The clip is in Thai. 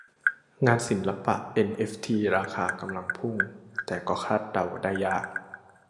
งานศิลปะเอ็นเอฟทีราคากำลังพุ่ง แต่ก็คาดเดาได้ยาก